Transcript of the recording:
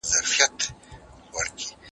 په تحقیق کي د زمانې په نظر کي نیول خورا مهم دي.